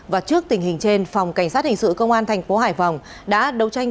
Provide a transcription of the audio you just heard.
và trước tình hình trên phòng cảnh sát hình sự công an tp hải phòng đã đấu tranh